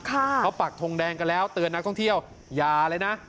เขาปักทงแดงกันแล้วเตือนนักท่องเที่ยวอย่าเลยนะ